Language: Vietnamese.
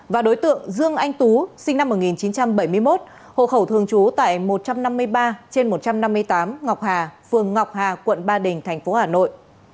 và đối tượng dương anh tú sinh năm một nghìn chín trăm bảy mươi một hộ khẩu thường trú tại một trăm năm mươi ba trên một trăm năm mươi tám ngọc hà phường ngọc hà quận ba đình tp hà nội